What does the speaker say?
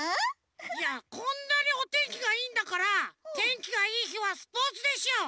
いやこんなにおてんきがいいんだからてんきがいいひはスポーツでしょ！